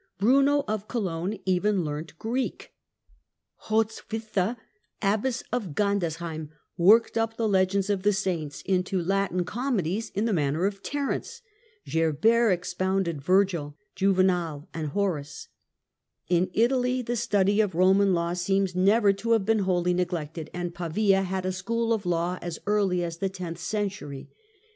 Bruno of Cologne even learnt Greek. Hrotswitha, abbess of Gandersheim, worked up the legends of the saints into Latin comedies in the manner of Terence. Gerbert expounded Virgil, Juvenal and Horace. In Italy the study of Eoman law seems never to have been wholly neglected, and Pavia had a school of law as early as the tenth century.